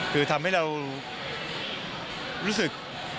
คือทำให้เรารู้สึก